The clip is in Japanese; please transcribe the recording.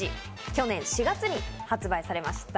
去年４月に発売されました。